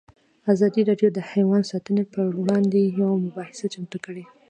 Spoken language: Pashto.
ازادي راډیو د حیوان ساتنه پر وړاندې یوه مباحثه چمتو کړې.